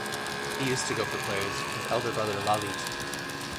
He used to go for plays with elder brother Lalith.